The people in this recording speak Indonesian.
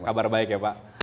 kabar baik ya pak